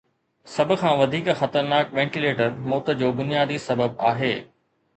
سڀ کان وڌيڪ خطرناڪ وينٽيليٽر موت جو بنيادي سبب آهي.